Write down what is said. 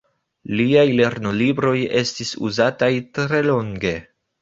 Liaj lernolibroj estis uzataj tre longe.